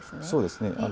そうですね。